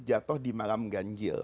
jatuh di malam ganjil